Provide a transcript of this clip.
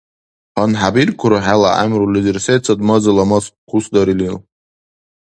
ГьанхӀебиркуру хӀела гӀямрулизир сецад мазала мас кусдаририл?